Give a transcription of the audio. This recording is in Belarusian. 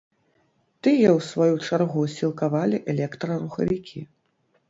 Тыя ў сваю чаргу сілкавалі электрарухавікі.